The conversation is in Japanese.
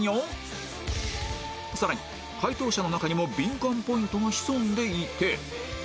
さらに解答者の中にもビンカンポイントが潜んでいて